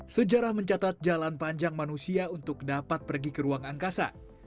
sejarah mencatat jalan panjang manusia untuk dapat pergi ke ruang angkasa